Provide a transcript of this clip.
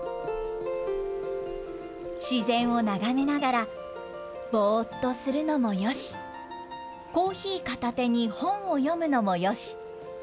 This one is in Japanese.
自然を眺めながら、ぼーっとするのもよし、コーヒー片手に本を読むのもよし。